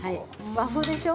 和風でしょう。